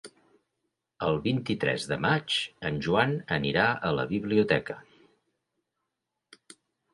El vint-i-tres de maig en Joan anirà a la biblioteca.